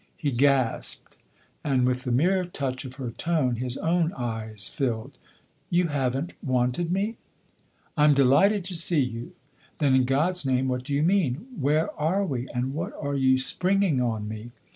He gasped, and with the mere touch of her tone his own eyes filled. " You haven't wanted me ?"" I'm delighted to see you." " Then in God's name what do you mean ? Where are we, and what are you springing on me?"